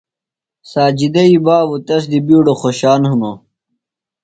ساجدئی بابوۡ تس دی بِیڈوۡ خوشان ہِنوۡ۔